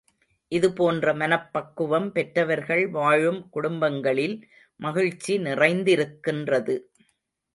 இதுபோன்ற மனப்பக்குவம் பெற்றவர்கள் வாழும் குடும்பங்களில் மகிழ்ச்சி நிறைந்திருக்கின்றது.